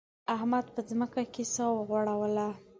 احمد په ځمکه کې سا وغوړوله.